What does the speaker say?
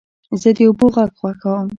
زه د اوبو غږ خوښوم.